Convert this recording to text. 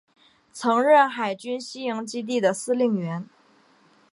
曾任海军西营基地司令员。